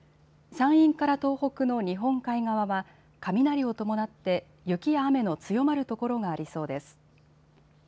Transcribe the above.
山陰から東北の日本海側は雷を伴って雪や雨の強まる所がありそうです。